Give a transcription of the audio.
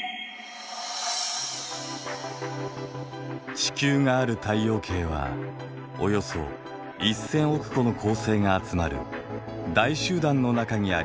地球がある太陽系はおよそ１，０００億個の恒星が集まる大集団の中にあります。